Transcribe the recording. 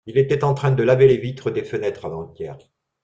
Il était en train de laver les vitres des fenêtres avant-hier.